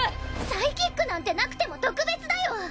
サイキックなんてなくても特別だよ！